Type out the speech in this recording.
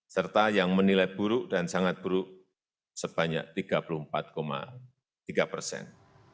serta yang menilai buruk dan sangat buruk sebanyak tiga puluh empat tiga persen